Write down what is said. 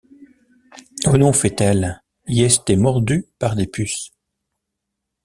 Oh! non, feit-elle, i’ay esté mordue par des puces.